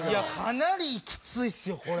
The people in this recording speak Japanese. かなりキツいっすよこれ。